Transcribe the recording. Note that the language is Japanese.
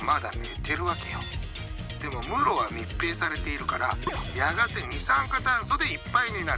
でも室は密閉されているからやがて二酸化炭素でいっぱいになる。